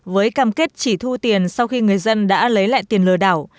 với cam kết chỉ thu tiền sau khi người dân đã lấy lại tiền lừa đảo